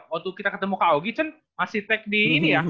waktu kita ketemu kak awi kan masih take di ini ya